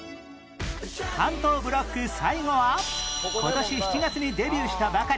関東ブロック最後は今年７月にデビューしたばかり！